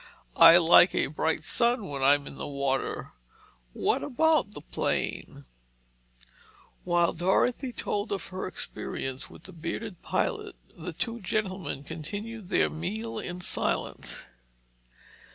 I like a bright sun when I'm in the water. What about the plane?" While Dorothy told of her experience with the bearded pilot, the two gentlemen continued their meal in silence.